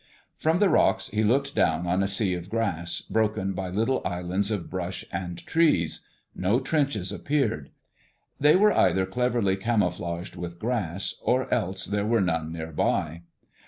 From the rocks he looked down on a sea of grass, broken by little islands of brush and trees. No trenches appeared. They were either cleverly camouflaged with grass, or else there were none near by.